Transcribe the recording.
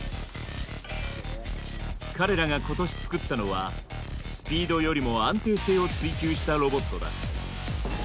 彼らが今年作ったのはスピードよりも安定性を追求したロボットだ。